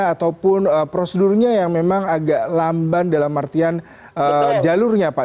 ataupun prosedurnya yang memang agak lamban dalam artian jalurnya pak